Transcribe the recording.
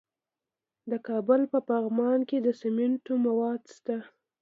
د کابل په پغمان کې د سمنټو مواد شته.